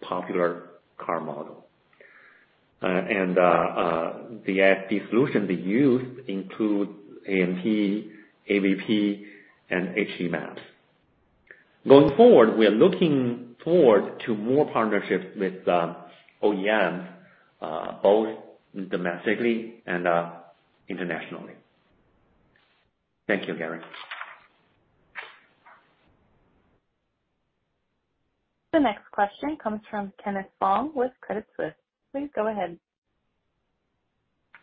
popular car model. The ASD solution they use includes AMP, AVP and HD maps. Going forward, we are looking forward to more partnerships with OEMs, both domestically and internationally. Thank you, Gary. The next question comes from Kenneth Fong with Credit Suisse. Please go ahead.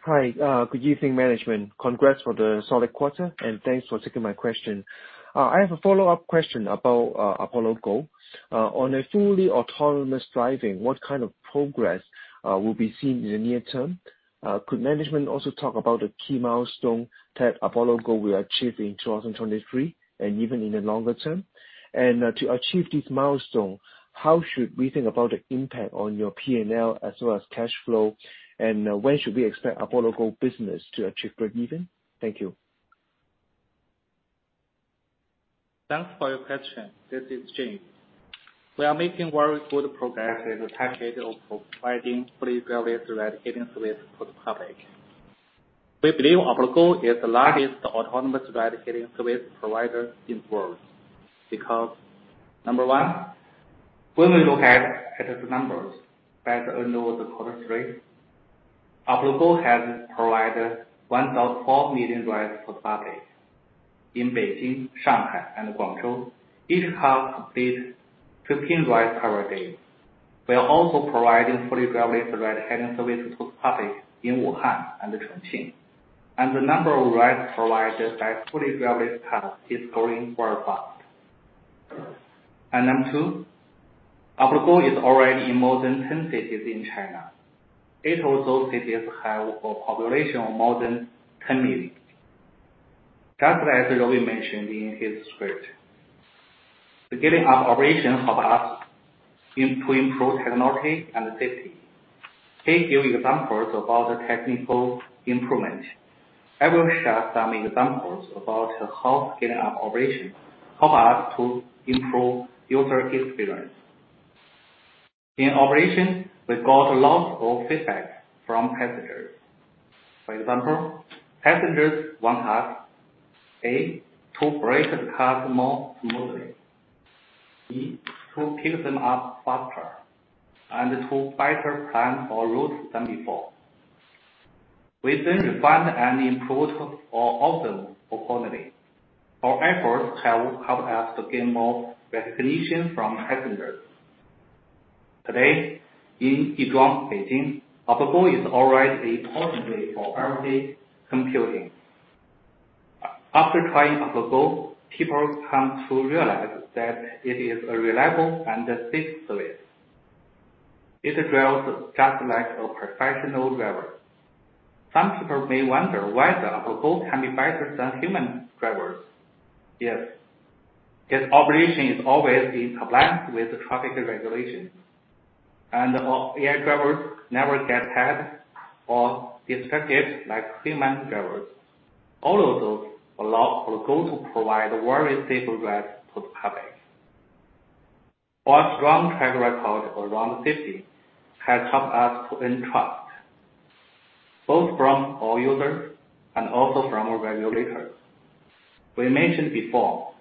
Hi. good evening, management. Congrats for the solid quarter, and thanks for taking my question. I have a follow-up question about Apollo Go. on a fully autonomous driving, what kind of progress will be seen in the near term? Could management also talk about the key milestone that Apollo Go will achieve in 2023 and even in the longer term? to achieve this milestone, how should we think about the impact on your PNL as well as cash flow? When should we expect Apollo Go business to achieve breakeven? Thank you. Thanks for your question. This is [Jay]. We are making very good progress in the target of providing fully driverless ride-hailing service to the public. We believe Apollo Go is the largest autonomous ride-hailing service provider in the world, because number one, when we look at the numbers that are under the quarter three, Apollo Go has provided 1.4 million rides for the public in Beijing, Shanghai and Guangzhou. Each car completes 15 rides per day. We are also providing fully driverless ride-hailing service to the public in Wuhan and Chongqing. The number of rides provided by fully driverless cars is growing very fast. Number two, Apollo Go is already in more than 10 cities in China. Eight of those cities have a population of more than 10 million. Just as Robin mentioned in his script, the scaling up operations help us to improve technology and safety. He gave you examples about the technical improvement. I will share some examples about how scaling up operations help us to improve user experience. In operation, we got a lot of feedback from passengers. For example, passengers want us, A, to brake the car more smoothly. B, to pick them up faster and to better plan our route than before. We refined and improved all of them accordingly. Our efforts have helped us to gain more recognition from passengers. Today, in Yizhuang, Beijing, Apollo Go is already importantly for edge computing. After trying Apollo Go, people come to realize that it is a reliable and safe service. It drives just like a professional driver. Some people may wonder why the Apollo Go can be better than human drivers. Yes, its operation is always in compliance with the traffic regulations. Our AI drivers never get tired or distracted like human drivers. All of those allow Apollo Go to provide very safe rides to the public. Our strong track record around safety has helped us to earn trust, both from our users and also from our regulators. We mentioned before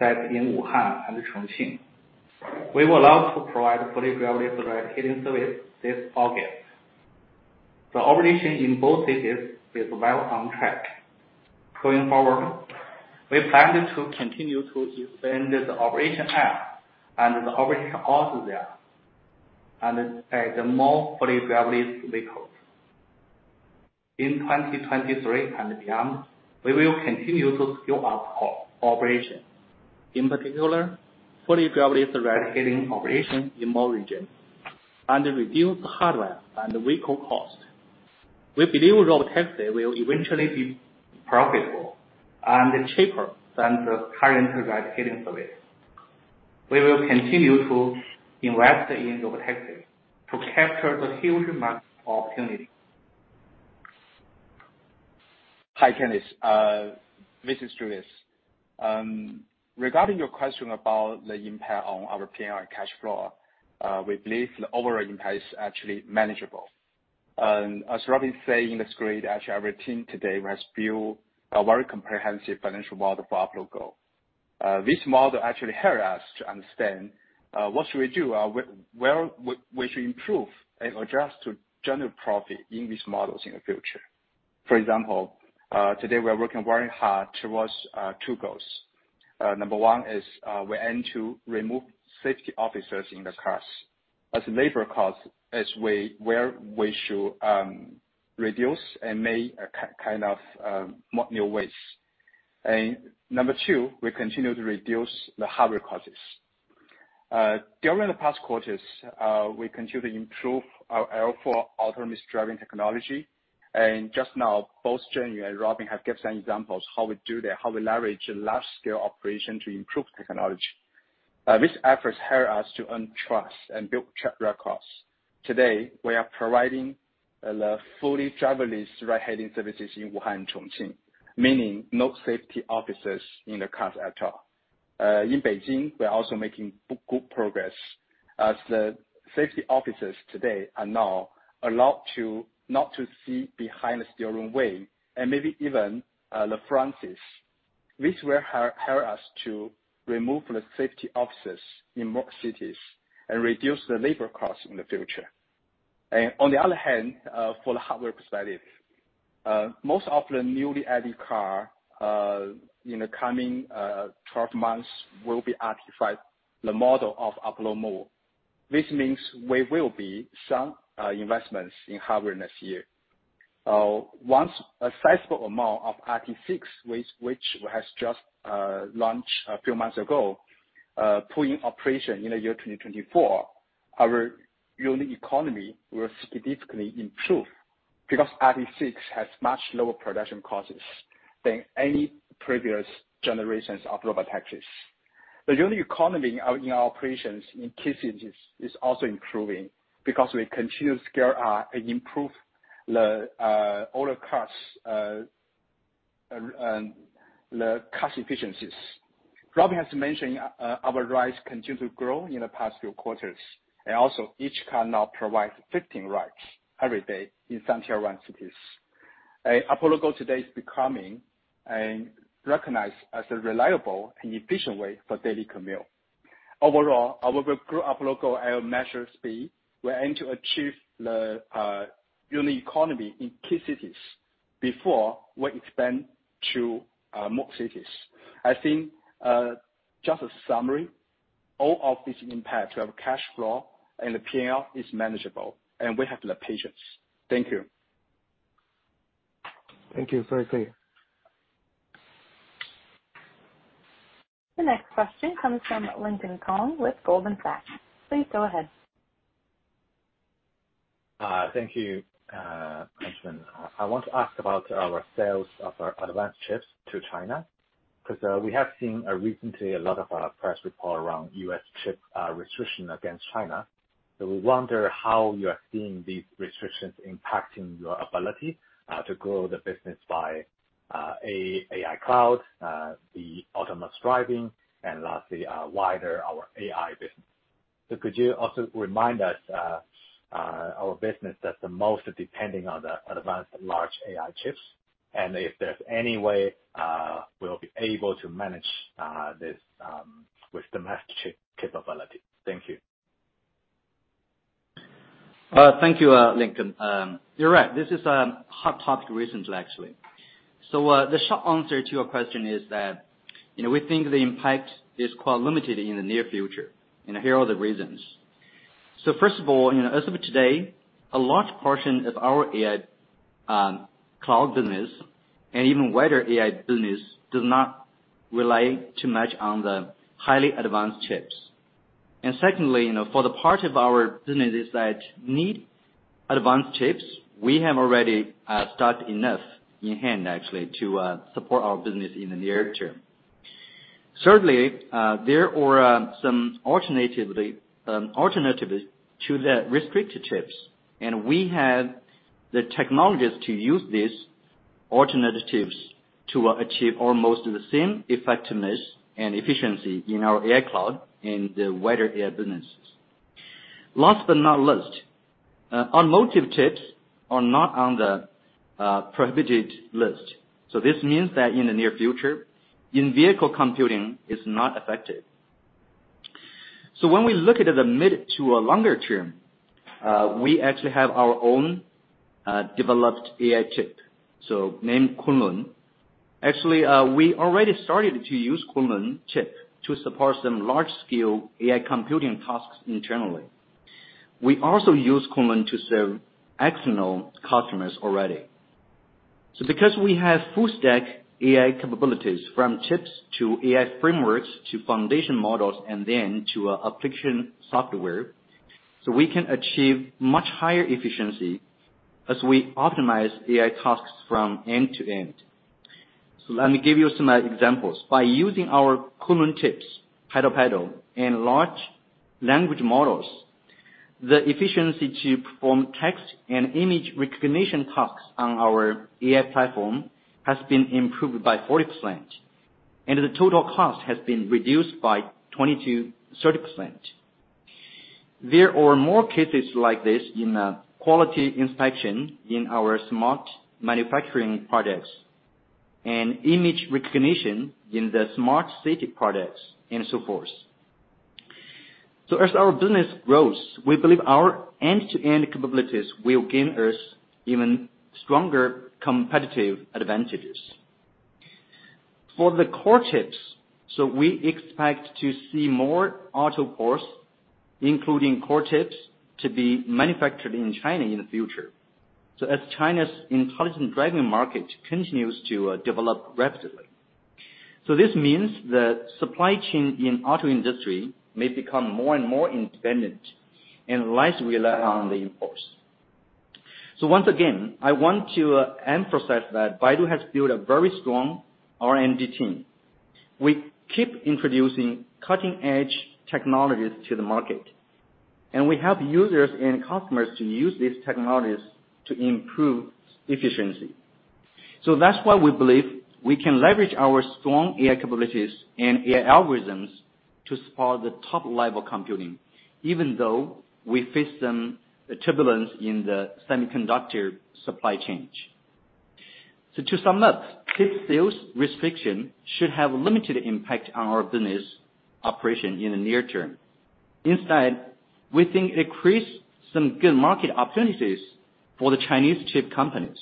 that in Wuhan and Chongqing, we will allow to provide fully driverless ride-hailing service this August. The operation in both cities is well on track. Going forward, we plan to continue to expand the operation area and the operation also there, and add more fully driverless vehicles. In 2023 and beyond, we will continue to scale up operation, in particular, fully driverless ride-hailing operation in more regions. Reduce hardware and vehicle cost. We believe robotaxi will eventually be profitable and cheaper than the current ride-hailing service. We will continue to invest in robotaxi to capture the huge market opportunity. Hi, Kenneth. This is Julius. Regarding your question about the impact on our PNL cash flow, we believe the overall impact is actually manageable. As Robin said in his grade, actually, our team today has built a very comprehensive financial model for Apollo Go. This model actually help us to understand what should we do, where we should improve and adjust to generate profit in these models in the future. For example, today we are working very hard towards two goals. Number one is, we aim to remove safety officers in the cars. As labor cost, as we where we should reduce and make a kind of new ways. Number two, we continue to reduce the hardware costs. During the past quarters, we continue to improve our L4 autonomous driving technology. Just now both Jenny and Robin have gave some examples how we do that, how we leverage large scale operation to improve technology. These efforts help us to earn trust and build track records. Today, we are providing the fully driverless ride-hailing services in Wuhan, Chongqing, meaning no safety officers in the cars at all. In Beijing, we are also making good progress, as the safety officers today are now allowed to not to sit behind the steering wheel and maybe even the front seats. This will help us to remove the safety officers in more cities and reduce the labor costs in the future. On the other hand, for the hardware perspective, most of the newly added car in the coming 12 months will be RT5, the model of Apollo Model. This means there will be some investments in hardware next year. Once a sizable amount of RT6, which has just launched a few months ago, put in operation in the year 2024, our unit economy will significantly improve because RT6 has much lower production costs than any previous generations of robotaxis. The unit economy in our operations in key cities is also improving because we continue to scale and improve the order costs, the cost efficiencies. Robin has mentioned, our rides continue to grow in the past few quarters, and also each car now provides 15 rides every day in some Tier One cities. Apollo Go today is becoming and recognized as a reliable and efficient way for daily commute. Overall, our Apollo Go measures speed. We aim to achieve the unit economy in key cities before we expand to more cities. I think, just a summary, all of these impacts, we have cash flow and the PNL is manageable, and we have the patience. Thank you. Thank you. Very clear. The next question comes from Lincoln Kong with Goldman Sachs. Please go ahead. Thank you, [My question]. I want to ask about our sales of our advanced chips to China, because we have seen recently a lot of press report around U.S. chip restriction against China. We wonder how you are seeing these restrictions impacting your ability to grow the business by AI Cloud, the autonomous driving, and lastly, wider our AI business. Could you also remind us, our business that's the most depending on the advanced large AI chips, and if there's any way we'll be able to manage this with domestic capability? Thank you. Thank you, Lincoln. You're right, this is a hot topic recently, actually. The short answer to your question is that, you know, we think the impact is quite limited in the near future. Here are the reasons. First of all, you know, as of today, a large portion of our AI Cloud business and even wider AI business does not rely too much on the highly advanced chips. Secondly, you know, for the part of our businesses that need advanced chips, we have already stocked enough in hand actually to support our business in the near term. Certainly, there are some alternatives to the restricted chips, and we have the technologies to use these alternative chips to achieve almost the same effectiveness and efficiency in our AI Cloud and the wider AI businesses. Last but not least, automotive chips are not on the prohibited list. This means that in the near future, in-vehicle computing is not affected. When we look at the mid to a longer term, we actually have our own developed AI chip, so named Kunlun. Actually, we already started to use Kunlun chip to support some large scale AI computing tasks internally. We also use Kunlun to serve external customers already. Because we have full stack AI capabilities from chips to AI frameworks to foundation models and then to application software, so we can achieve much higher efficiency as we optimize AI tasks from end to end. Let me give you some examples. By using our Kunlun chips, PaddlePaddle, and large language models, the efficiency to perform text and image recognition tasks on our AI platform has been improved by 40%, and the total cost has been reduced by 20%-30%. There are more cases like this in quality inspection in our smart manufacturing products and image recognition in the smart city products and so forth. As our business grows, we believe our end-to-end capabilities will gain us even stronger competitive advantages. For the core chips, we expect to see more auto parts, including core chips, to be manufactured in China in the future as China's Intelligent Driving market continues to develop rapidly. This means that supply chain in auto industry may become more and more independent and less rely on the imports. Once again, I want to emphasize that Baidu has built a very strong R&D team. We keep introducing cutting-edge technologies to the market, and we help users and customers to use these technologies to improve efficiency. That's why we believe we can leverage our strong AI capabilities and AI algorithms to support the top level computing, even though we face some turbulence in the semiconductor supply chains. To sum up, chip sales restriction should have limited impact on our business operation in the near term. Instead, we think it creates some good market opportunities for the Chinese chip companies.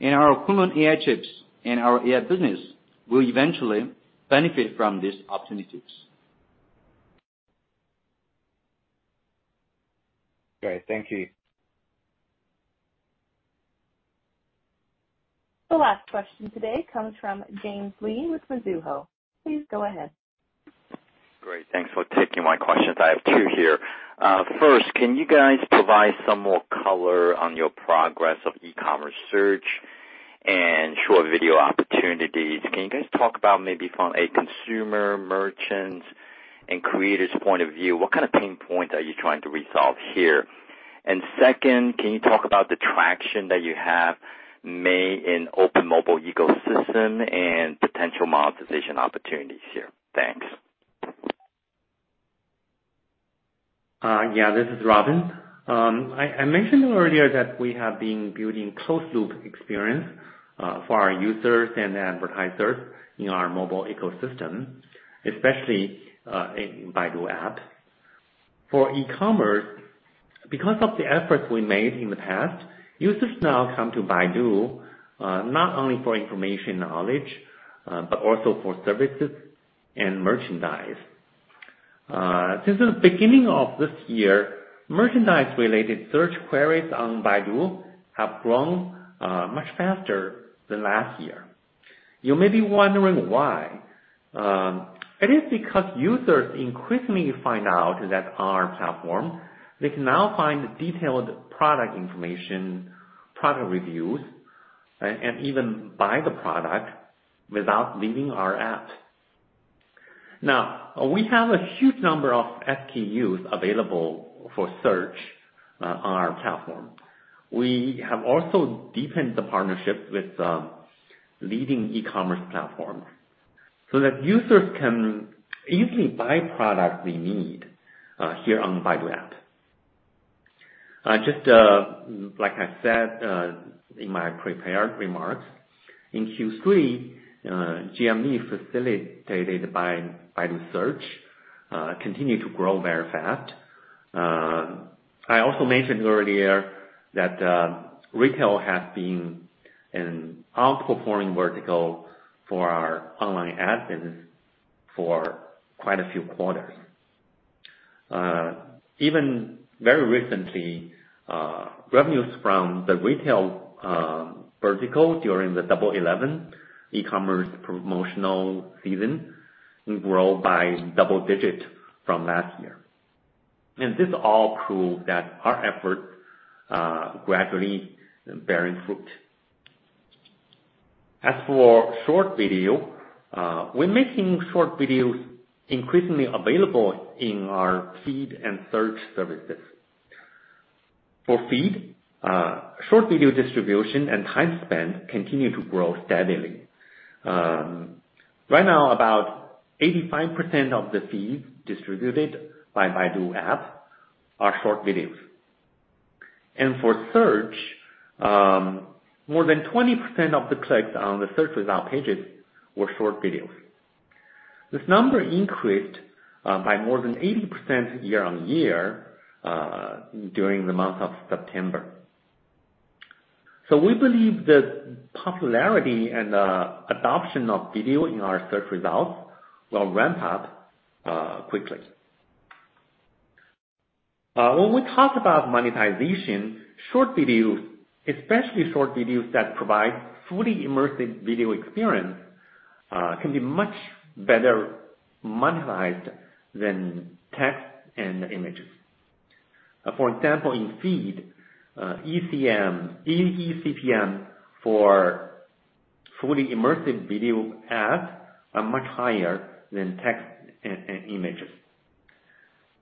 Our Kunlun AI chips and our AI business will eventually benefit from these opportunities. Great. Thank you. The last question today comes from James Lee with Mizuho. Please go ahead. Great. Thanks for taking my questions. I have two here. First, can you guys provide some more color on your progress of e-commerce search and short video opportunities? Can you guys talk about maybe from a consumer merchant and creator's point of view, what kind of pain point are you trying to resolve here? Second, can you talk about the traction that you have made in open mobile ecosystem and potential monetization opportunities here? Thanks. Yeah. This is Robin. I mentioned earlier that we have been building closed loop experience for our users and advertisers in our mobile ecosystem, especially in Baidu App. For e-commerce, because of the efforts we made in the past, users now come to Baidu not only for information knowledge, but also for services and merchandise. Since the beginning of this year, merchandise-related search queries on Baidu have grown much faster than last year. You may be wondering why. It is because users increasingly find out that on our platform, they can now find detailed product information, product reviews, and even buy the product without leaving our App. Now, we have a huge number of SKUs available for search on our platform. We have also deepened the partnership with leading e-commerce platforms so that users can easily buy products they need here on Baidu App. Just like I said in my prepared remarks, in Q3, GMV facilitated by Baidu Search continued to grow very fast. I also mentioned earlier that retail has been an outperforming vertical for our online ad business for quite a few quarters. Even very recently, revenues from the retail vertical during the Double 11 e-commerce promotional season grew by double digit from last year. This all prove that our efforts are gradually bearing fruit. As for short video, we're making short videos increasingly available in our Feed and search services. For Feed, short video distribution and time spent continue to grow steadily. Right now, about 85% of the feeds distributed by Baidu App are short videos. For search, more than 20% of the clicks on the search result pages were short videos. This number increased by more than 80% year-on-year during the month of September. We believe the popularity and adoption of video in our search results will ramp up quickly. When we talk about monetization, short videos, especially short videos that provide fully immersive video experience, can be much better monetized than text and images. For example, in Feed, eCPM for fully immersive video ads are much higher than text and images.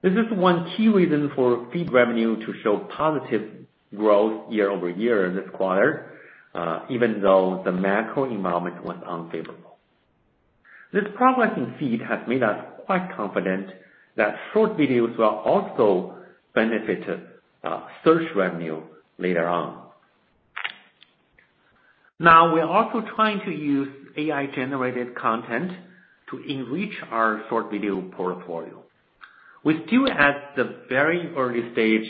This is one key reason for Feed revenue to show positive growth year-over-year this quarter, even though the macro environment was unfavorable. This progress in Feed has made us quite confident that short videos will also benefit search revenue later on. We're also trying to use AI-generated content to enrich our short video portfolio. We're still at the very early stage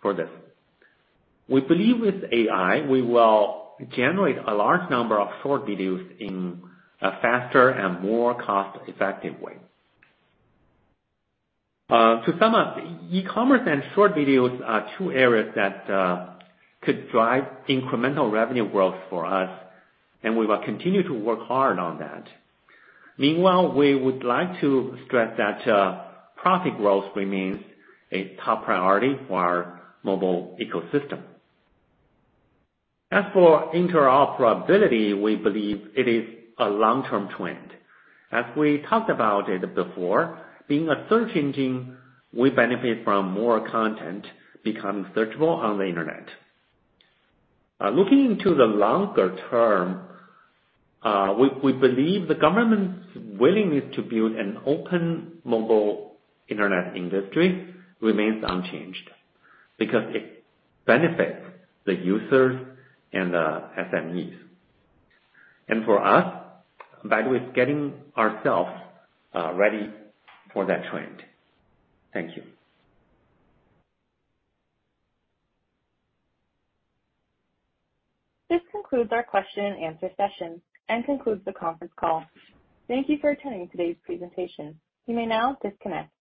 for this. We believe with AI, we will generate a large number of short videos in a faster and more cost-effective way. To sum up, e-commerce and short videos are two areas that could drive incremental revenue growth for us, and we will continue to work hard on that. Meanwhile, we would like to stress that profit growth remains a top priority for our mobile ecosystem. As for interoperability, we believe it is a long-term trend. As we talked about it before, being a search engine, we benefit from more content becoming searchable on the Internet. Looking into the longer term, we believe the government's willingness to build an open mobile internet industry remains unchanged because it benefits the users and SMEs. For us, that is getting ourselves ready for that trend. Thank you. This concludes our question and answer session and concludes the conference call. Thank you for attending today's presentation. You may now disconnect.